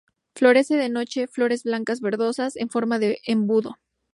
Florece de noche, flores blanco verdosas en forma de embudo.